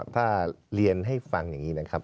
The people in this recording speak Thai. ถ้าเรียนให้ฟังอย่างนี้นะครับ